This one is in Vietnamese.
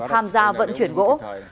tham gia vận chuyển gỗ